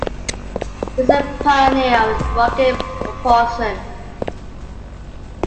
He is a pioneer of rocket propulsion.